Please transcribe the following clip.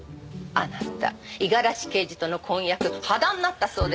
あなた五十嵐刑事との婚約破談になったそうですわね？